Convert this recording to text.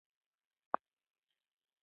د والي واکونه څه دي؟